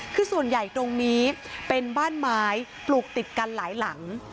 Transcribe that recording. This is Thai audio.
คือส่วนใหญ่ตรงนี้เป็นบ้านไม้ปลูกติดกันหลายหลัง